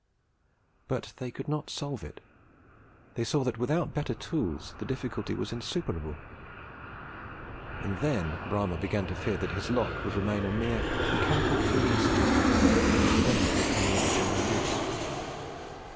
But they could not solve it; they saw that without better tools the difficulty was insuperable; and then Bramah began to fear that his lock would remain a mere mechanical curiosity, and be prevented from coming into general use.